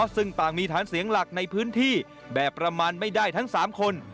ซึ่งต่างมีฐานเสียงหลักในพื้นที่แบบประมาณไม่ได้ทั้ง๓คน